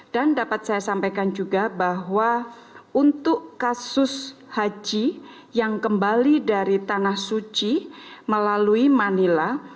dan dapat saya sampaikan juga bahwa untuk kasus haji yang kembali dari tanah suci melalui manila